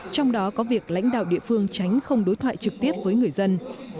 trong đó có việc lãnh đạo địa phương tránh không đối thoại trực tiếp với người dân